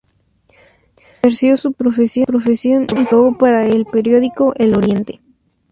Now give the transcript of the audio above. Ejerció su profesión y colaboró para el periódico "El Oriente".